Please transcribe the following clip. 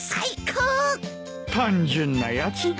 単純なやつだ。